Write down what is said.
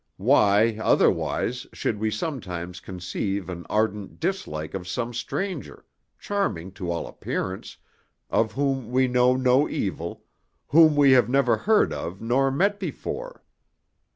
Why, otherwise, should we sometimes conceive an ardent dislike of some stranger charming to all appearance of whom we know no evil, whom we have never heard of nor met before?